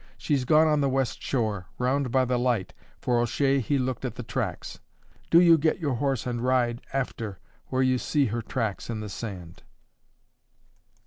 She's gone on the west shore, round by the light, for O'Shea he looked at the tracks. Do you get your horse and ride after, where you see her tracks in the sand."